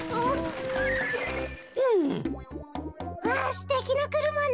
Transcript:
すてきなくるまね。